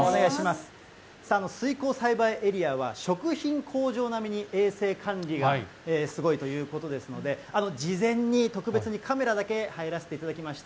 水耕栽培エリアは食品工場並みに衛生管理がすごいということですので、事前に特別にカメラだけ入らせていただきました。